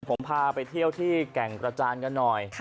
ผมพาไปเที่ยวที่แก่งกระจานกันหน่อย